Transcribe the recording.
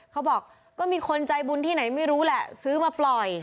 เขาบอกก็มีคนใจบุญที่ไหนไม่รู้แหละซื้อมาปล่อย